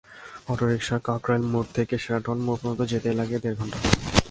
অটোরিকশায় কাকরাইল মোড় থেকে শেরাটন মোড় পর্যন্ত যেতেই লাগে দেড় ঘণ্টা।